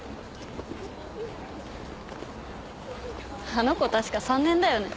あの子確か３年だよね？